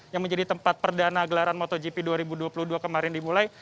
yang menjadi tempat perdana gelaran motogp dua ribu dua puluh dua kemarin dimulai